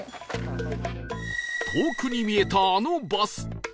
遠くに見えたあのバス